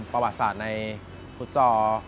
ประวัติศาสตร์ในฟุตซอล